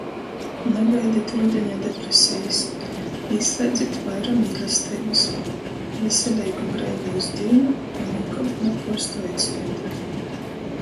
Nagaidit rudiņa depresejis!! Īslēdzit vaira mīlesteibys!!! Veseleigu breivūs dīnu, i nikod napuorstuojit smaideit!!!